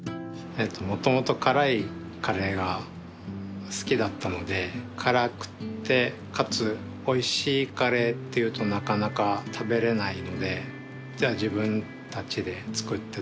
もともと辛いカレーが好きだったので辛くてかつおいしいカレーっていうとなかなか食べれないのでじゃあ自分たちで作って出そうということで。